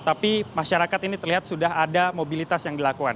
tapi masyarakat ini terlihat sudah ada mobilitas yang dilakukan